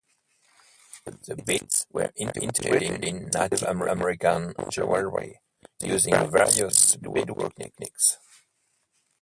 The beads were integrated in Native American jewelry using various beadwork techniques.